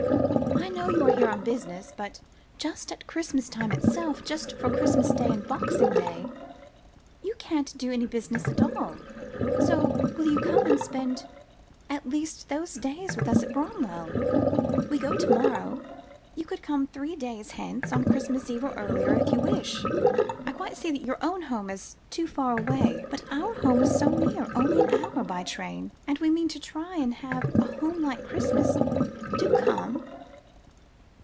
I know you are here on business, but just at Christmas time itself, just for Christmas Day and Boxing Day, you can't do any business at all, so will you come and spend at least those days with us at Bramwell? We go to morrow; could you come three days hence on Christmas Eve, or earlier, if you will. I quite see that your own home is too far away, but our home is so near, only an hour by train, and we mean to try and have a home like Christmas. Do come."